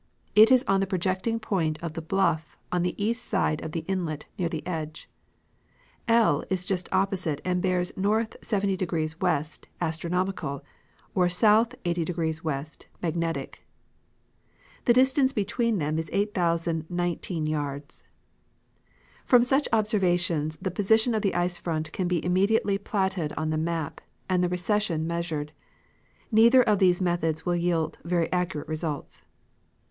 It is on the projecting point of the bluff on the east side of the inlet near the edge. L is just opposite and bears N. 70° W. astronomical or S. 80° W. magnetic. The distance between them is 8,019 yards. From such observation the position of the ice front can be imme diately platted on the map and the recession measureil. Neither of these methods will yield verj' accurate results.